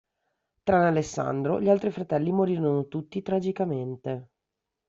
Tranne Alessandro gli altri fratelli morirono tutti tragicamente.